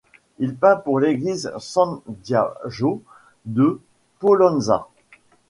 Il peint pour l'église San Biagio de Pollenza.